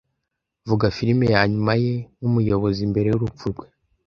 Vuga film ya nyuma ye nk'umuyobozi mbere y'urupfu rwe